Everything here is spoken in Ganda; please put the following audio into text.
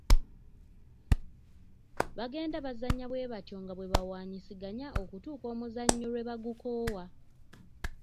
Bagenda bazannya bwe batyo nga bwe bawaanyisiganya okutuusa omuzannyo lwe bagukoowa.